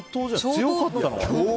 強かったのかな。